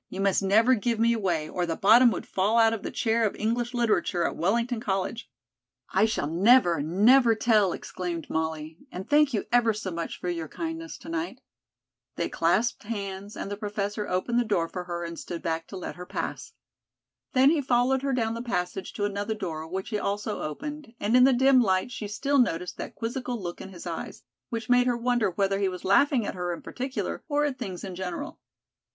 "You must never give me away, or the bottom would fall out of the chair of English literature at Wellington College." "I shall never, never tell," exclaimed Molly; "and thank you ever so much for your kindness to night." They clasped hands and the professor opened the door for her and stood back to let her pass. Then he followed her down the passage to another door, which he also opened, and in the dim light she still noticed that quizzical look in his eyes, which made her wonder whether he was laughing at her in particular, or at things in general.